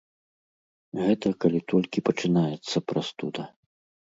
Гэта калі толькі пачынаецца прастуда.